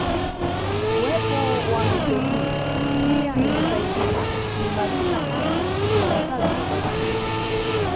Uwepo wa mito hii pia imesaidia kuimarisha afya kwa wakazi wa bara hili